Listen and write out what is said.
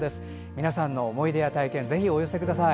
皆さんの思い出や体験をぜひお寄せください。